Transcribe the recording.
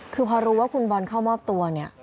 คือพอรู้ว่าคุณบอลเข้ามอบตัวเนี่ย